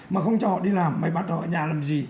mà không cho họ đi làm mày bắt họ ở nhà làm gì